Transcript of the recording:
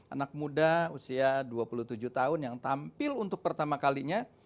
anak muda usia dua puluh tujuh tahun yang tampil untuk pertama kalinya